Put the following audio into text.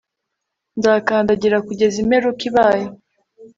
nzakandagira kugeza imperuka ibaye